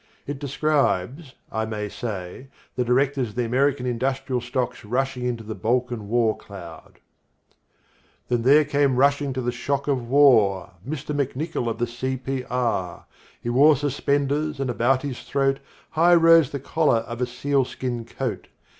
It describes, I may say, the Directors of the American Industrial Stocks rushing into the Balkan War Cloud. Then there came rushing to the shock of war Mr. McNicoll of the C. P. R. He wore suspenders and about his throat High rose the collar of a sealskin coat.